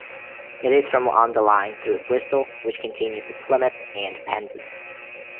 It is from on the line through Bristol which continues to Plymouth and Penzance.